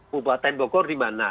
bupaten bogor di mana